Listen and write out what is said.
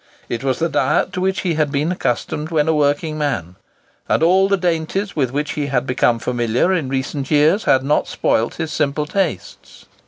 It was the diet to which he had been accustomed when a working man, and all the dainties with which he had become familiar in recent years had not spoiled his simple tastes.